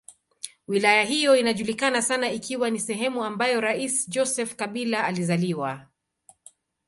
Wilaya hiyo inajulikana sana ikiwa ni sehemu ambayo rais Joseph Kabila alizaliwa.